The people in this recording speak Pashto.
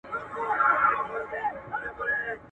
هغوی هڅه کوي چي حقيقت پيدا کړي.